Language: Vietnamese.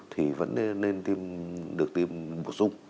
thì vẫn nên được tiêm bổ sung